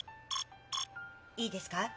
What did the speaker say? いいですか？